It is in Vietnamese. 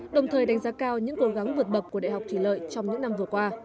đồng thời đánh giá cao những cố gắng vượt bậc của đại học thủy lợi trong những năm vừa qua